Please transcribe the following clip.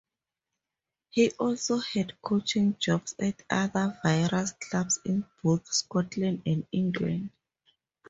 He also had coaching jobs at other various clubs in both Scotland and England.